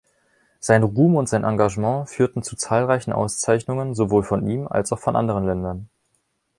Sein Ruhm und sein Engagement führten zu zahlreichen Auszeichnungen sowohl von ihm als auch von anderen Ländern.